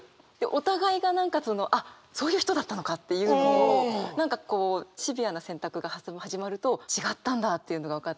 お互いが何かそのあっそういう人だったのかっていうのを何かこうシビアな選択が始まると違ったんだっていうのが分かって。